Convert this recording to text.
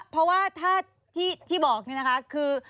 เพราะว่าถ้าที่บอกนี่นะคะคือ